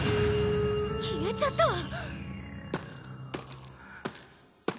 消えちゃったわ！